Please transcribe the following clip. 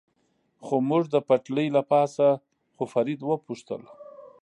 خو موږ د پټلۍ له پاسه ځو، فرید و پوښتل.